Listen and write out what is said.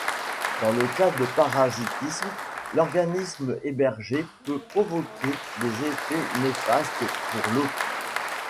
Dans le cas du parasitisme, l'organisme hébergé peut provoquer des effets néfastes pour l'hôte.